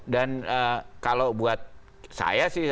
dan kalau buat saya sih